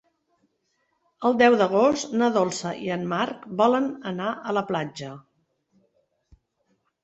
El deu d'agost na Dolça i en Marc volen anar a la platja.